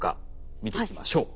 見ていきましょう。